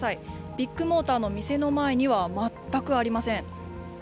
ビッグモーターの店の前には全くありません。